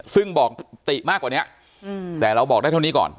ซึ่งบอกติมากกว่านี้แต่เราบอกได้เท่านี้ก่อน